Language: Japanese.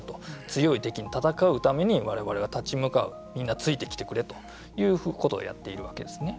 強い敵と戦うために我々は立ち向かうみんな、ついてきてくれということをやってるわけですね。